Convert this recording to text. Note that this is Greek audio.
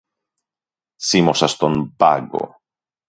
Σίμωσα στον μπάγκο